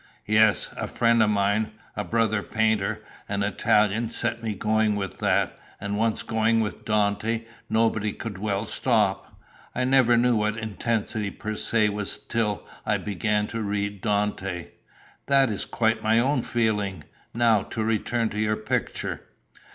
"Yes. A friend of mine, a brother painter, an Italian, set me going with that, and once going with Dante, nobody could well stop. I never knew what intensity per se was till I began to read Dante." "That is quite my own feeling. Now, to return to your picture."